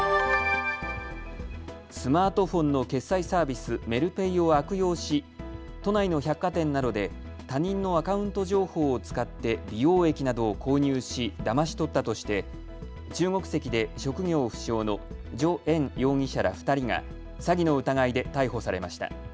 スマートフォンの決済サービス、メルペイを悪用し都内の百貨店などで他人のアカウント情報を使って美容液などを購入し、だまし取ったとして中国籍で職業不詳の徐燕容疑者ら２人が詐欺の疑いで逮捕されました。